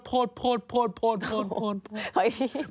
ขออีกที